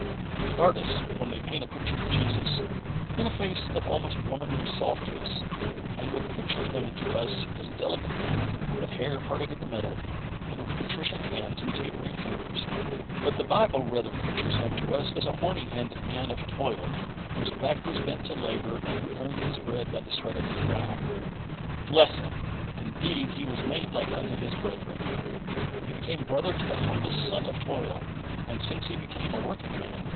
The artists, when they paint a picture of Jesus, paint a face of almost womanly softness, and would picture Him to us as a delicate man, with hair parted in the middle and with patrician hands and tapering fingers ; but the Bible rather pictures Him to us a horny handed man of toil. 82 HEART TALKS ON HOLINESS. whose back was bent to labour, and who earned His bread by the sweat of his brow. Bless Him ! Indeed, He was made like unto His brethren." He became brother to the humblest son of toil, and 'since He has been a working man.